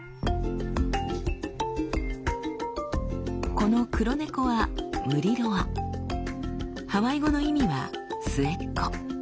この黒猫はハワイ語の意味は「末っ子」。